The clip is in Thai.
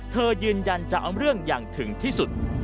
ยืนยันจะเอาเรื่องอย่างถึงที่สุด